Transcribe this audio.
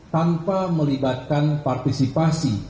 tanpa melibatkan partisipasi